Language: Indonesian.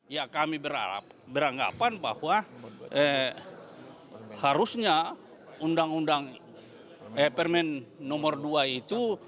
ya kami beranggapan bahwa harusnya undang undang permen nomor dua itu